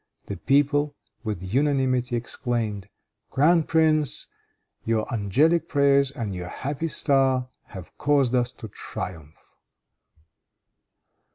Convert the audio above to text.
The people, with unanimity, exclaimed, "Grand prince, your angelic prayers and your happy star have caused us to triumph."